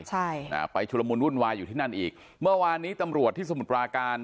ใช่อ่าไปชุลมุนวุ่นวายอยู่ที่นั่นอีกเมื่อวานนี้ตำรวจที่สมุทรปราการ